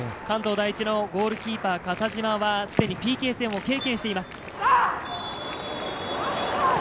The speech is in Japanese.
関東第一のゴールキーパー・笠島はすでにＰＫ戦を経験しています。